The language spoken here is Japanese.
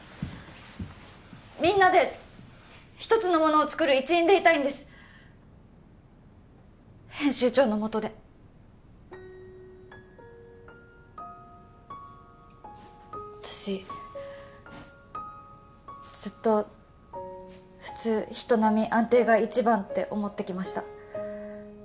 みんなで一つのものをつくる一員でいたいんです編集長のもとで私ずっと普通人並み安定が一番って思ってきました